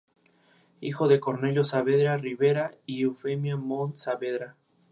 Hijo de Cornelio Saavedra Rivera y "Eufemia Montt Saavedra".